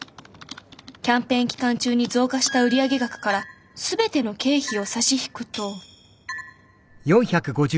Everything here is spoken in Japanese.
キャンペーン期間中に増加した売上額から全ての経費を差し引くと。